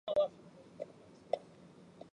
选区名称的顺天是指整个顺天邨。